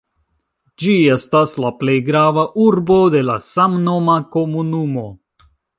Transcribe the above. Ĝi estas la plej grava urbo de la samnoma komunumo.